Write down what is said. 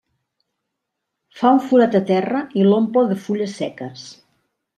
Fa un forat a terra i l'omple de fulles seques.